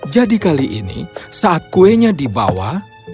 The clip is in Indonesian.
jadi kali ini saat kuenya dibawa